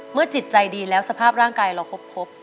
จิตใจดีแล้วสภาพร่างกายเราครบ